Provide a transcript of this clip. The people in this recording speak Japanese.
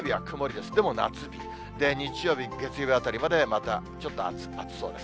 でも夏日、日曜日、月曜日あたりまでまたちょっと暑そうです。